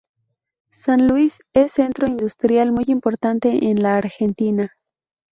San Luis es un centro industrial muy importante en la Argentina.